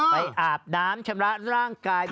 ไปอาบน้ำชำระร่างกายบ่อย